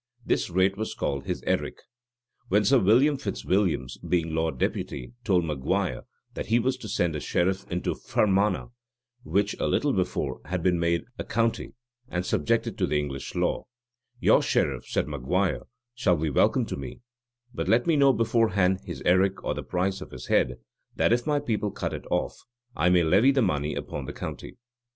This rate was called his "eric." When Sir William Fitzwilliams, being lord deputy, told Maguire, that he was to send a sheriff into Fermannah, which a little before had been made a county, and subjected to the English law; "Your sheriff," said Maguire, "shall be welcome to me: but let me know, beforehand, his eric, or the price of his head, that, if my people cut it off, I may levy the money upon the county."